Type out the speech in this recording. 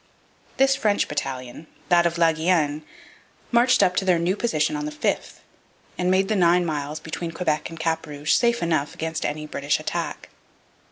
This French battalion, that of La Guienne, marched up to their new position on the 5th, and made the nine miles between Quebec and Cap Rouge safe enough against any British attack.